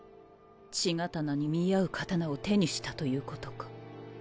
血刀に見合う力を手にしたということか。